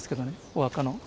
お墓の。